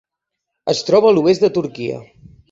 Es troba a l'oest de Turquia.